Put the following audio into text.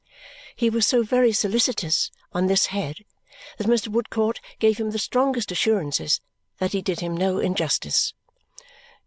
He was so very solicitous on this head that Mr. Woodcourt gave him the strongest assurances that he did him no injustice.